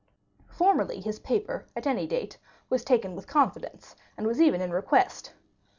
Formerly his paper, at any date, was taken with confidence, and was even in request.